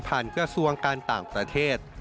ผ่านเกษัตริย์กระทรวงการต่างประเทศ